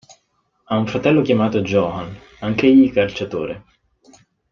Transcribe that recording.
Ha un fratello chiamato Johan, anch'egli calciatore.